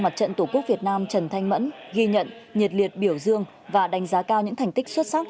mặt trận tổ quốc việt nam trần thanh mẫn ghi nhận nhiệt liệt biểu dương và đánh giá cao những thành tích xuất sắc